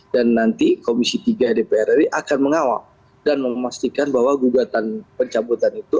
dan nanti komisi tiga dpr ri akan mengawal dan memastikan bahwa gugatan pencabutan itu